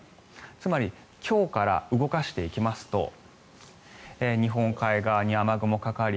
つまり今日から動かしていきますと日本海側に雨雲がかかり